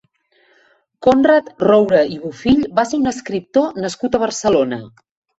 Conrad Roure i Bofill va ser un escriptor nascut a Barcelona.